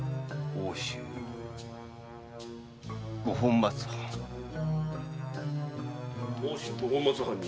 奥州五本松藩に異変が？